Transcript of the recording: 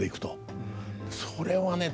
「それはね